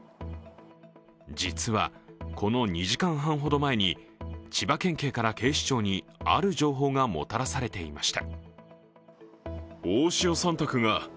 実は、この２時間半ほど前に千葉県警から警視庁にある情報がもたらされていました。